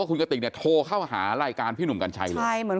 ว่าคุณกระติกเนี่ยโทรเข้าหารายการพี่หนุ่มกันชัยใช่เหมือน